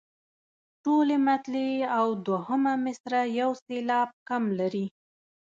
ټولې مطلعې او دوهمه مصرع یو سېلاب کم لري.